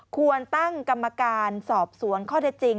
ควรตั้งกรรมการสอบสวนข้อเท็จจริง